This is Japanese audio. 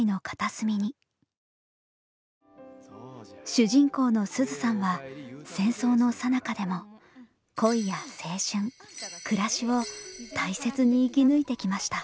主人公の「すずさん」は戦争のさなかでも恋や青春暮らしを大切に生き抜いてきました。